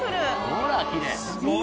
ほらきれい。